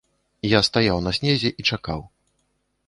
Я стаяў на снезе і чакаў.